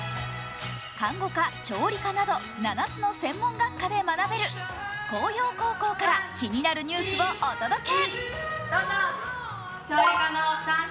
看護科、調理科など７つの専門学科で学べる向陽高校から気になるニュースをお届け。